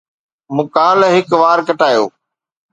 مون ڪالهه هڪ وار ڪٽايو